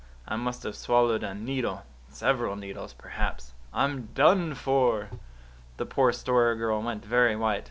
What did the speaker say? I must have swallowed a needle several needles, perhaps. I'm done for!" The poor Story Girl went very white.